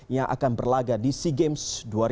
yang akan berlaga di sea games dua ribu dua puluh